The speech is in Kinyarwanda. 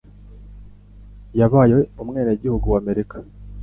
Yabaye umwenegihugu wa Amerika.